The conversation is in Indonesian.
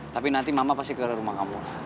tapi nanti mama pasti ke rumah kamu